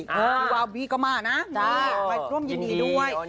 พี่บาวีก็มานะไปร่วมยืนดีด้วย